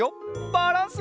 バランス！